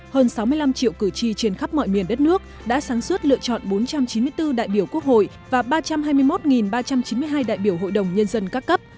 hơn sáu mươi năm triệu cử tri trên khắp mọi miền đất nước đã sáng suốt lựa chọn bốn trăm chín mươi bốn đại biểu quốc hội và ba trăm hai mươi một ba trăm chín mươi hai đại biểu hội đồng nhân dân các cấp